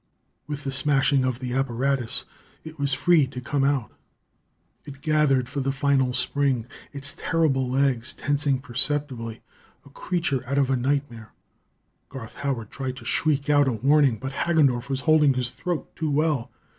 With the smashing of the apparatus, it was free to come out. It gathered for the final spring, its terrible legs tensing perceptibly a creature out of a nightmare. Garth Howard tried to shriek out a warning, but Hagendorff was holding his throat too well.